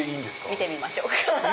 見てみましょうか。